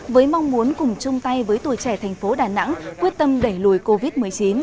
với mong muốn cùng chung tay với tuổi trẻ thành phố đà nẵng quyết tâm đẩy lùi covid một mươi chín